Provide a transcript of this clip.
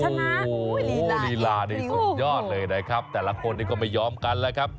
โอ้โหลีลานี่สุดยอดเลยนะครับแต่ละคนนี้ก็ไม่ยอมกันแล้วครับ